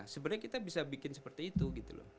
sebenarnya kita bisa bikin seperti itu gitu loh